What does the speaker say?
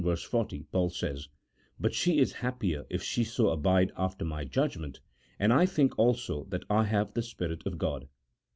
40, Paul says :" But she is happier if she so abide, after my judgment, and I think also that I have the Spirit of God."